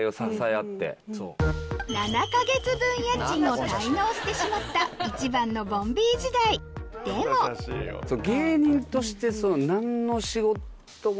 ７か月分家賃を滞納してしまった一番のボンビー時代でも朝までやって次の日。